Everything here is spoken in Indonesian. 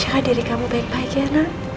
cari diri kamu baik baik ya anak